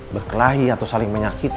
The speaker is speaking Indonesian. berkelahi atau saling menyakiti